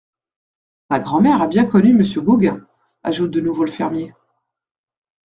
Ma grand’mère a bien connu Monsieur Gauguin, ajoute de nouveau le fermier.